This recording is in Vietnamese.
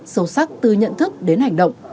sâu sắc tư nhận thức đến hành động